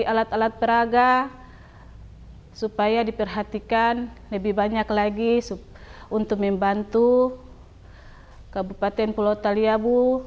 alat alat peraga supaya diperhatikan lebih banyak lagi untuk membantu kabupaten pulau thaliabu